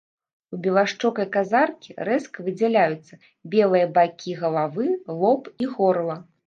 У белашчокай казаркі рэзка выдзяляюцца белыя бакі галавы, лоб і горла.